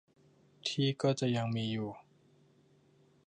ที่ก็จะยังมีอยู่